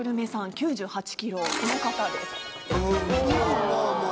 ９８ｋｇこの方です。